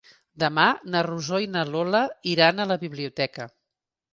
Demà na Rosó i na Lola iran a la biblioteca.